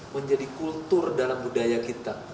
menjadi kultur dalam budaya kita